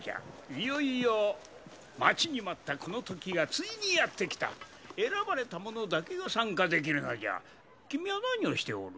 いよいよ待ちに待ったこの時がついにやって来た選ばれた者だけが参加できるのじゃ君は何をしておる？